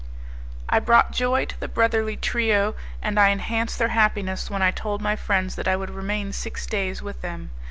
I brought joy to the brotherly trio, and I enhanced their happiness when I told my friends that I would remain six days with them.